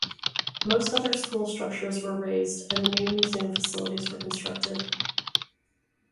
Most other school structures were razed, and new museum facilities were constructed.